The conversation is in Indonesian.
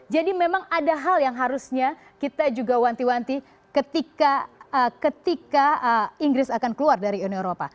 jadi memang ada hal yang harusnya kita juga wanti wanti ketika inggris akan keluar dari uni eropa